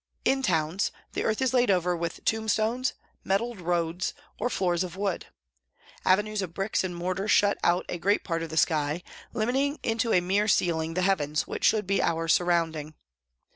In towns, the earth is laid over with tombstones, metalled roads or floors of wood. Avenues of bricks and mortar shut out a great part of the sky, limiting into a mere ceiling the heavens which should be our surrounding.